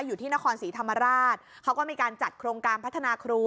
อยู่ที่นครศรีธรรมราชเขาก็มีการจัดโครงการพัฒนาครู